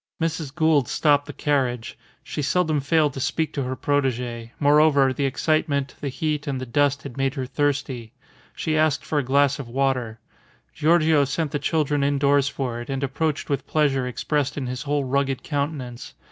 Mrs. Gould stopped the carriage. She seldom failed to speak to her protege; moreover, the excitement, the heat, and the dust had made her thirsty. She asked for a glass of water. Giorgio sent the children indoors for it, and approached with pleasure expressed in his whole rugged countenance.